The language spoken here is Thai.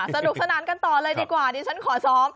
สนุกสนานกันต่อเลยดีกว่าดิฉันขอซ้อม